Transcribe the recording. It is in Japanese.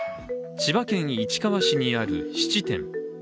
千葉県市川市にある質店。